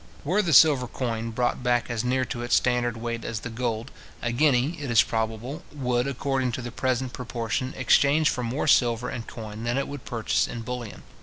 Were the silver coin brought back as near to its standard weight as the gold, a guinea, it is probable, would, according to the present proportion, exchange for more silver in coin than it would purchase in bullion.